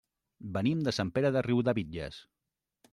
Venim de Sant Pere de Riudebitlles.